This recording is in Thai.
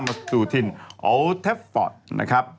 มาสูทินโอเทฟอร์ดนะครับ